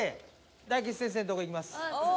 大吉先生のとこに行きます。